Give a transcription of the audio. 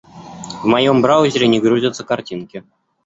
В моём браузере не грузятся картинки.